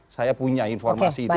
saya punya informasi itu